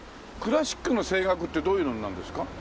クラシックの声楽ってどういうのになるんですか？